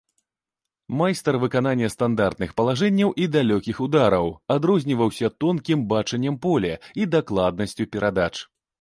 Майстар выканання стандартных палажэнняў і далёкіх удараў, адрозніваўся тонкім бачаннем поля і дакладнасцю перадач.